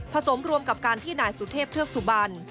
สมรวมกับการที่นายสุเทพเทือกสุบัน